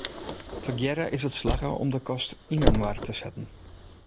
Tegearre is it slagge om de kast yn inoar te setten.